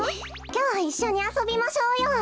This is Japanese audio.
きょういっしょにあそびましょうよ。